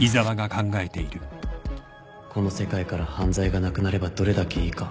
この世界から犯罪がなくなればどれだけいいか